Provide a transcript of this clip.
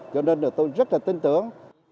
cho nên là tôi rất là tin tưởng